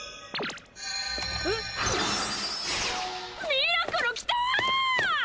ミラクル来たぁー！